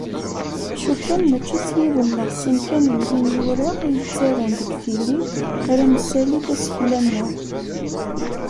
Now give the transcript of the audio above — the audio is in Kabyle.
Acu kan mačči s yiwen neɣ s sin kan n yimyura i yettarun deg tili ara nessali tasekla-nneɣ.